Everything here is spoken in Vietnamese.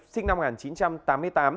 sinh năm một nghìn chín trăm tám mươi tám